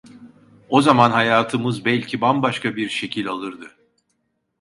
O zaman hayatımız belki bambaşka bir şekil alırdı.